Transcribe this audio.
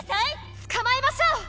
つかまえましょう！